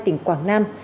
tỉnh quảng nam